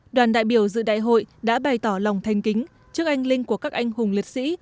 đoàn đại biểu dự đại hội đã bày tỏ lòng thanh kính trước anh linh của các anh hùng liệt sĩ